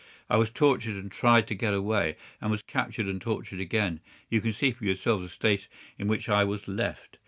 I was tortured and tried to get away, and was captured and tortured again. You can see for yourselves the state in which I was left.